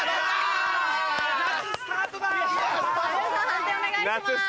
判定お願いします。